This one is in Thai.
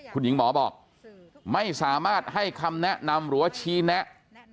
คุณหญิงหมอบอกไม่สามารถให้คำแนะนำหรือว่าชี้แนะ